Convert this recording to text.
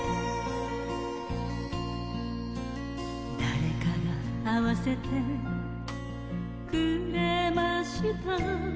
誰かが会わせてくれました